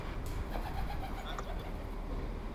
ولي مدام هڅاند د با استعداده کس په پرتله ښه ځلېږي؟